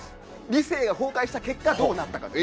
理性が崩壊した結果どうなったか。